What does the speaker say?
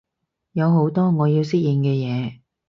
有好多我要適應嘅嘢